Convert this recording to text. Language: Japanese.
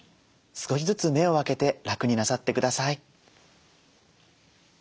少しずつ目を開けて楽になさってください。